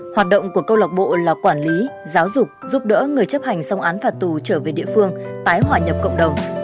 hoạt động của câu lạc bộ là quản lý giáo dục giúp đỡ người chấp hành xong án phạt tù trở về địa phương tái hòa nhập cộng đồng